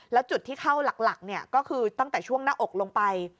แล้วจุดที่เข้าหลักก็คือตั้งแต่ช่วงหน้าอกลงไป